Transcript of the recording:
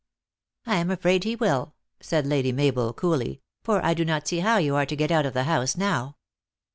"I am afraid, he will," said Lady Mabel, coolly, " for I do not see how you are to get out of the house now.